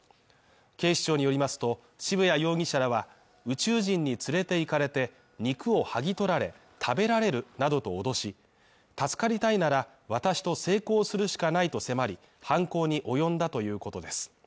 警視庁によりますと、渋谷容疑者らは、宇宙人に連れて行かれて、肉を剥ぎ取られ食べられるなどと脅し助かりたいなら、私と性交するしかないと迫り、犯行に及んだということです。